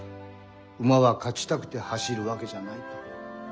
馬は勝ちたくて走るわけじゃないと。